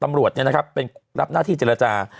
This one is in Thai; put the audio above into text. ตำรวจเป็นรับหน้าที่เจรจา